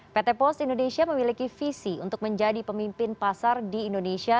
pt pos indonesia memiliki visi untuk menjadi pemimpin pasar di indonesia